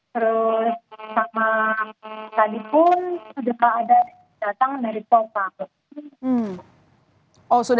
terus sama tadi pun sudah ada datang dari popa